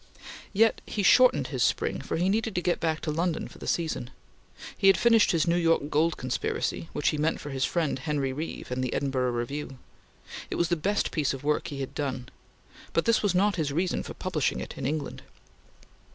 Yet he shortened his spring, for he needed to get back to London for the season. He had finished his New York "Gold Conspiracy," which he meant for his friend Henry Reeve and the Edinburgh Review. It was the best piece of work he had done, but this was not his reason for publishing it in England.